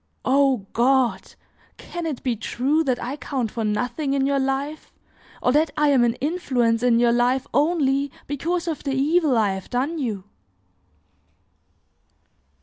O God! can it be true that I count for nothing in your life, or that I am an influence in your life only because of the evil I have done you!"